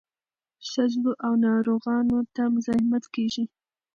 ښځو او ناروغانو ته مزاحمت کیږي.